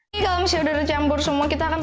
kalau misalnya sudah dicampur semua kita akan